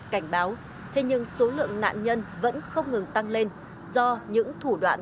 cảnh báo thế nhưng số lượng nạn nhân vẫn không ngừng tăng lên do những thủ đoạn